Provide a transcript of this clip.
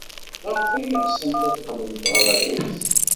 Maɣef ay ɣsent ad qqlent ɣer Rrus?